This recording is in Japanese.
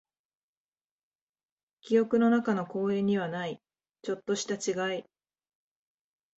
記憶の中の公園にはない、ちょっとした違い。